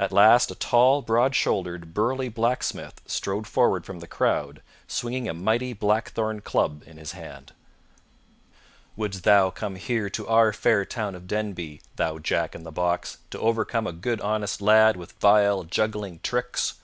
At last a tall, broad shouldered, burly blacksmith strode forward from the crowd swinging a mighty blackthorn club in his hand. "Wouldst thou come here to our fair town of Denby, thou Jack in the Box, to overcome a good honest lad with vile, juggling tricks?"